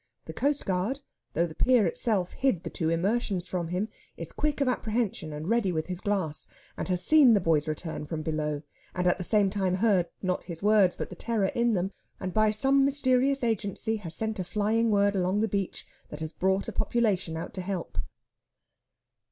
The coastguard, though the pier itself hid the two immersions from him, is quick of apprehension and ready with his glass, and has seen the boy's return from below; and at the same time heard, not his words, but the terror in them, and by some mysterious agency has sent a flying word along the beach that has brought a population out to help.